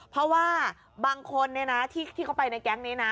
เพราะว่าบางคนที่เขาไปในแก๊งนี้นะ